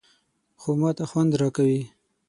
_خو ماته خوند راکوي.